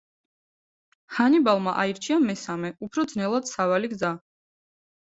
ჰანიბალმა აირჩია მესამე, უფრო ძნელად სავალი გზა.